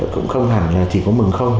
cũng không hẳn là chỉ có mình không